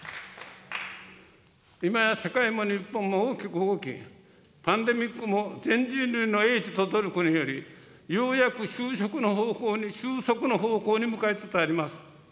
今や世界も日本も大きく動き、パンデミックも全人類の英知と努力により、ようやく収束の方向に向かいつつあります。